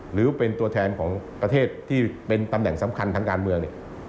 หรือเป็นตัวแทนของประเทศที่เป็นตำแหน่งสำคัญทางการเมืองเนี่ย